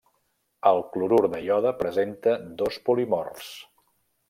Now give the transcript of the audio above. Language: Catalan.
El clorur de iode presenta dos polimorfs.